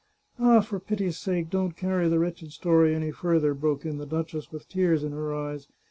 " Ah, for pity's sake, don't carry the wretched story any further," broke in the duchess with tears in her eyes.